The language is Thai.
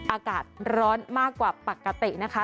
อากาศร้อนมากกว่าปกตินะคะ